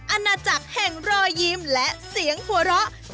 อาณาจักรแห่งรอยยิ้มและเสียงหัวเราะ